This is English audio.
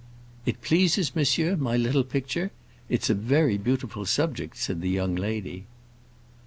"It pleases monsieur, my little picture? It's a very beautiful subject," said the young lady.